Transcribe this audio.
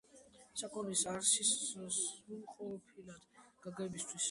საქონლის არსის სრულყოფილად გაგებისათვის დიდი მნიშვნელობა აქვს მის სწორ კლასიფიკაციას.